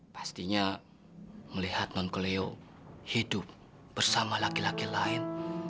pastinya melihat nonkeleo hidup bersama laki laki lain